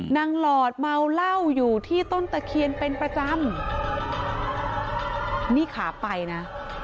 หลอดเมาเหล้าอยู่ที่ต้นตะเคียนเป็นประจำนี่ขาไปนะ